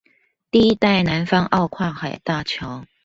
第一代南方澳跨海大橋